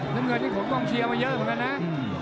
น้ำเงินนี่ขนกองเชียร์มาเยอะเหมือนกันนะ